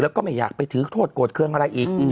แล้วก็ไม่อยากไปถือโทษโกรธเครื่องอะไรอีก